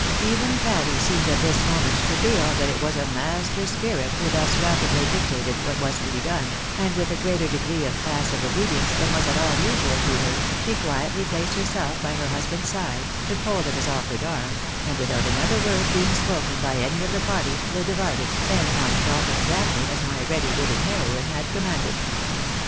Even Patty seemed at this moment to feel that it was a master spirit who thus rapidly dictated what was to be done, and with a greater degree of passive obedience than was at all usual to her, she quietly placed herself by her husband's side, took hold of his offered arm, and without another word being spoken by any of the party, they divided, and marched off exactly as my ready witted heroine had commanded.